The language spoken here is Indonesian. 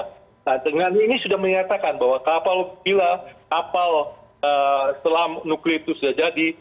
nah ini sudah menyatakan bahwa kapal selam nuklir itu sudah jadi